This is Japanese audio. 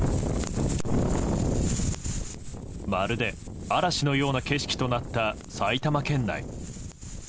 まるで嵐のような景色となった埼玉県内。